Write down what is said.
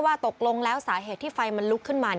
ตกลงแล้วสาเหตุที่ไฟมันลุกขึ้นมา